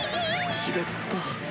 ⁉違った。